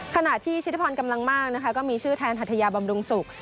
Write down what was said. ขณะที่ชิตพรกำลังมากนะคะก็มีชื่อแทนหัทยาบำรุงศุกร์